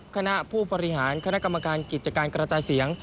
คณะผู้บริหารคณะกรรมการกิจการกระจายเสียง